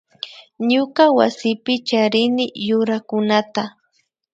Ñuka wasipi charini yurakunata